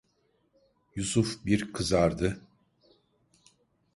Yusuf bir kızardı.